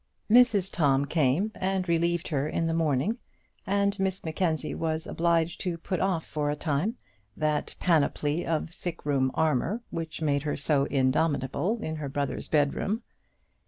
Mrs Tom came and relieved her in the morning, and Miss Mackenzie was obliged to put off for a time that panoply of sick room armour which made her so indomitable in her brother's bedroom.